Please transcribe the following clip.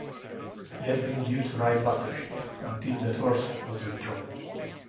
He had been due to ride Battleship, until that horse was withdrawn.